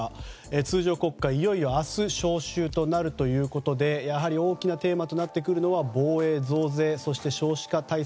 通常国会いよいよ明日召集となるということで大きなテーマとなるのは防衛増税、そして少子化対策。